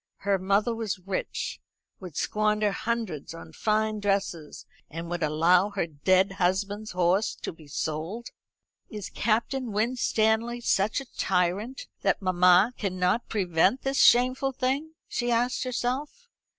Her mother was rich, would squander hundreds on fine dresses, and would allow her dead husband's horse to be sold. "Is Captain Winstanley such a tyrant that mamma can not prevent this shameful thing?" she asked herself.